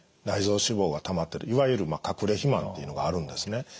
内臓脂肪がたまってるいわゆる隠れ肥満っていうのがあるんですね。